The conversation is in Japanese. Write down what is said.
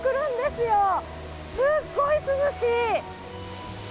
すっごい涼しい。